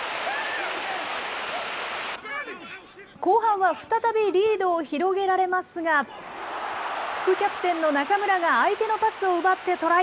後半は再びリードを広げられますが、副キャプテンの中村が相手のパスを奪ってトライ。